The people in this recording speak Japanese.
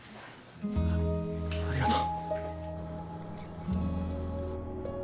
ありがとう。